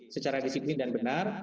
secara disiplin dan benar